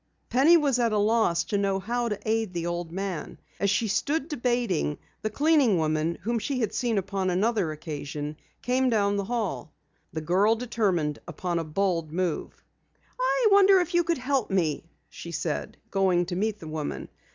Penny was at a loss to know how to aid the old man. As she stood debating, the cleaning woman whom she had seen upon another occasion, came down the hall. The girl determined upon a bold move. "I wonder if you could help me?" she said, going to meet the woman.